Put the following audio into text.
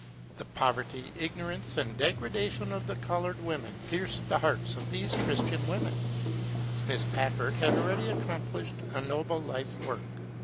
The pov erty, ignorance, and degradation of the col ored women pierced the hearts of these Christian women. Miss Packard had already accomplished a noble life work.